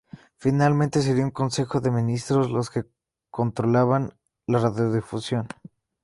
Finalmente sería un Consejo de Ministros los que controlaban la radiodifusión.